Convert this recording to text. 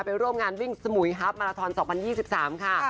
ร่วมงานวิ่งสมุยฮับมาราทอน๒๐๒๓ค่ะ